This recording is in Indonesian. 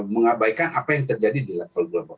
mengabaikan apa yang terjadi di level global